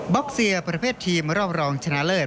็อกเซียประเภททีมรอบรองชนะเลิศ